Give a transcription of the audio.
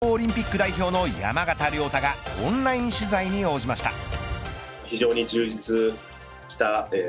東京オリンピック代表の山縣亮太がオンライン取材に応じました。